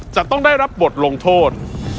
จะต้องได้รับบทลงโทษ